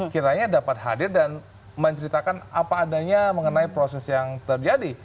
kiranya dapat hadir dan menceritakan apa adanya mengenai proses yang terjadi